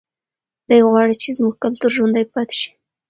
دی غواړي چې زموږ کلتور ژوندی پاتې شي.